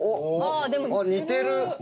ああでも似てる！